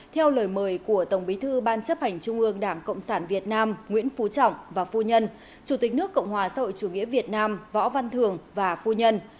theo lời mời của tổng bí thư ban chấp hành trung ương đảng cộng sản việt nam nguyễn phú trọng và phu nhân chủ tịch nước cộng hòa xã hội chủ nghĩa việt nam võ văn thường và phu nhân